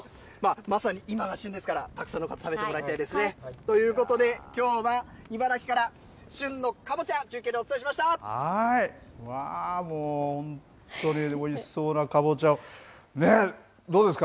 まさに、今が旬ですから、たくさんの方に食べてもらいたいですね。ということで、きょうは茨城から、旬のかぼちゃ、中継でお伝えしまわー、もう本当に、おいしそうなかぼちゃね、どうですか？